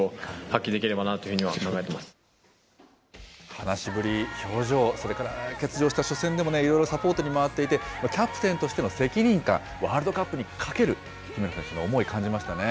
話しぶり、表情、それから欠場した初戦でもいろいろサポートに回っていて、キャプテンとしての責任感、ワールドカップにかける姫野選手の思い、感じましたね。